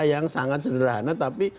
yang sangat sederhana tapi